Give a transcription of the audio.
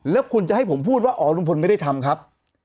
แล้วคุณจะให้ผมพูดว่าอ๋อลุงพลไม่ได้ทำครับ